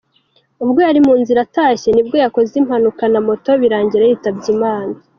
Ubwo yari mu nzira atashye ni bwo yakoze impanuka na moto birangira yitabye Imana.